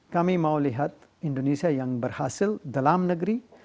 kami mau lihat indonesia yang berhasil dalam negeri